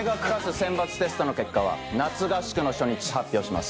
選抜テストの結果は夏合宿の初日発表します。